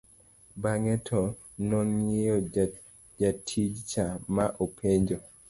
bang'e to nong'iyo jatijcha ma openje